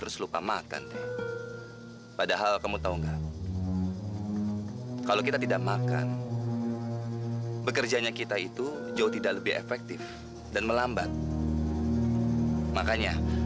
sampai jumpa di video selanjutnya